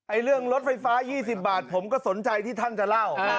เรื่องรถไฟฟ้า๒๐บาทผมก็สนใจที่ท่านจะเล่า